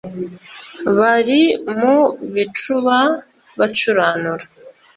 bari mu bicuba bacuranura,